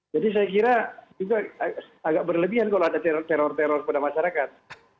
jadi saya kira agak berlebihan kalau ada teror teror pada masyarakat